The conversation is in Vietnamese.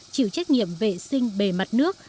chịu trách nhiệm vệ sinh bề mặt nước